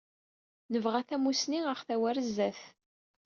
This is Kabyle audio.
Nebɣa tamussni aɣ-tawi ar sdat.